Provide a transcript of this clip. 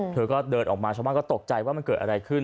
เธอก็เดินออกมาชาวบ้านก็ตกใจว่ามันเกิดอะไรขึ้น